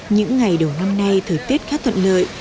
những ngày đầu năm nay thời tiết khá thuận lợi